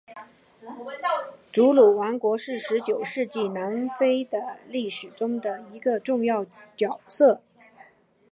祖鲁王国是十九世纪南非的历史中的一个重要角色。